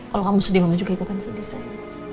kalau kamu sedih mama juga ikutkan sedih sayang